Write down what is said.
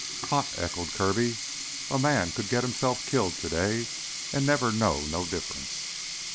"Hot!" echoed Kirby. "A man could git hisself killed today an' never know no difference."